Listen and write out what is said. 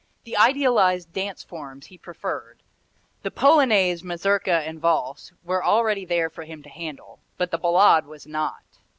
The idealized dance forms he preferred; the Polonaise, Mazurka and Valse were already there for him to handle, but the Ballade was not.